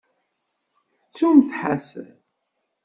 Ttumt Ḥasan.